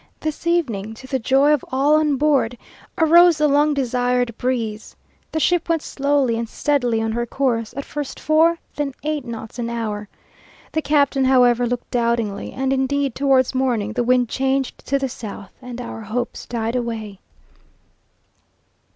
This evening, to the joy of all on board, arose the long desired breeze. The ship went slowly and steadily on her course, at first four, then eight knots an hour. The captain, however, looked doubtingly, and, indeed, towards morning, the wind changed to the south, and our hopes died away.